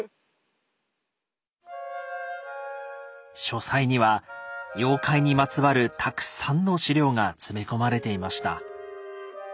書斎には妖怪にまつわるたくさんの資料が詰め込まれていました。